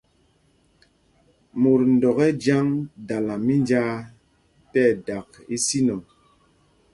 Mot ndɔk ɛ jyaŋ dala mínjāā ti ɛdak ísinɔŋ.